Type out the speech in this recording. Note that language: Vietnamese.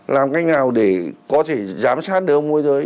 làm cách nào để có thể giám sát được ông môi giới